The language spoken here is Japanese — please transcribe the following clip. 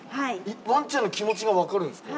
ワンちゃんの気持ちが分かるんですか？